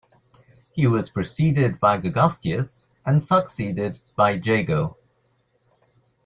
He was preceded by Gurgustius and succeeded by Jago.